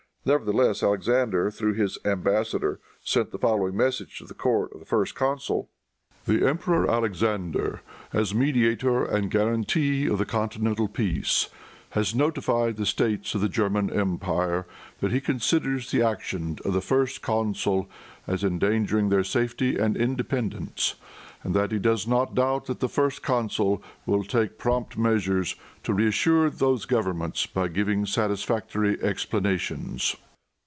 Nevertheless, Alexander through his embassador, sent the following message to the court of the First Consul: "The Emperor Alexander, as mediator and guarantee of the continental peace, has notified the States of the German empire that he considers the action of the First Consul as endangering their safety and independence, and that he does not doubt that the First Consul will take prompt measures to reassure those governments by giving satisfactory explanations."